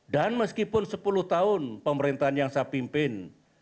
dan meskipun sepuluh tahun pemerintahan yang saya pimpin